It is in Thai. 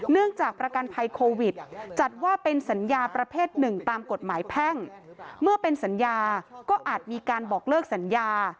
จากประกันภัยโควิดจัดว่าเป็นสัญญาประเภทหนึ่งตามกฎหมายแพ่งเมื่อเป็นสัญญาก็อาจมีการบอกเลิกสัญญา